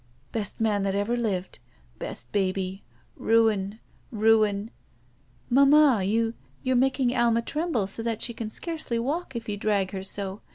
"Best man that ever lived. Best baby. Ruin. Ruin." "Mamma, you — you're making Alma tremble so that she can scarcely walk if you drag her so.